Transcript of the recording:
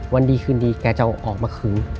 วันดีคืนดีแกจะออกมาคืน